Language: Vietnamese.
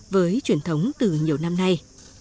với truyền thống từ nhiều năm nay